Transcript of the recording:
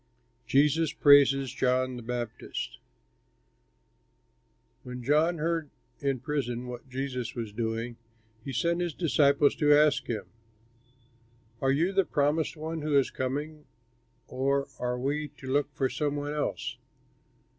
JESUS PRAISES JOHN THE BAPTIST When John heard in prison what Jesus was doing, he sent his disciples to ask him, "Are you the Promised One who is coming, or are we to look for some one else?"